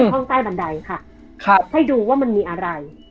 ห้องใต้บันไดค่ะครับให้ดูว่ามันมีอะไร